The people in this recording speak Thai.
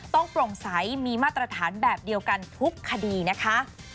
โปร่งใสมีมาตรฐานแบบเดียวกันทุกคดีนะคะ